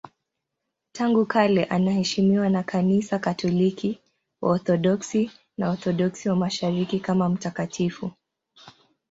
Tangu kale anaheshimiwa na Kanisa Katoliki, Waorthodoksi na Waorthodoksi wa Mashariki kama mtakatifu.